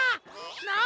なあ。